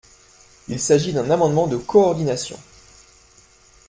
Il s’agit d’un amendement de coordination.